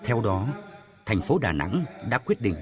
theo đó thành phố đà nẵng đã quyết định